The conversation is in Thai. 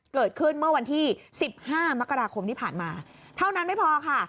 เกิดขึ้นเมื่อวันที่๑๕มกราคมที่ผ่านมาเท่านั้นไม่พอค่ะ